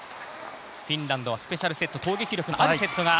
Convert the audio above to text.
フィンランドはスペシャルセット。